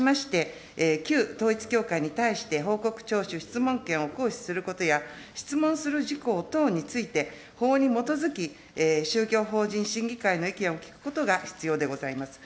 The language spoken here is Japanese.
その上で当該基準に照らしまして、旧統一教会に対して報告聴取、質問権を行使することや、質問する事項等について、法に基づき、宗教法人審議会の意見を聞くことが必要でございます。